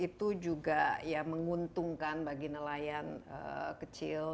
itu juga ya menguntungkan bagi nelayan kecil